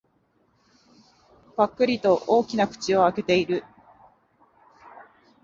ぱっくりと大きな口を開けている。